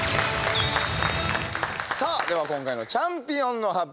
さあでは今回のチャンピオンの発表